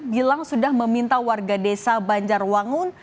gilang sudah meminta warga desa banjarwangun